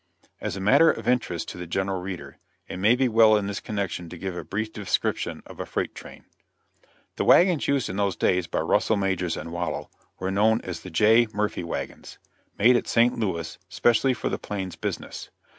As a matter of interest to the general reader, it may be well in this connection to give a brief description of a freight train. The wagons used in those days by Russell, Majors & Waddell were known as the "J. Murphy wagons," made at St. Louis specially for the plains business.